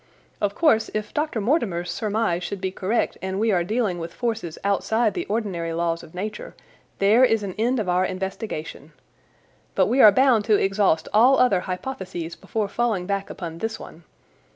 Of course, if Dr. Mortimer's surmise should be correct, and we are dealing with forces outside the ordinary laws of Nature, there is an end of our investigation. But we are bound to exhaust all other hypotheses before falling back upon this one.